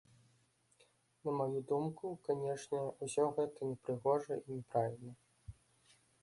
На маю думку, канешне, усё гэта непрыгожа і няправільна.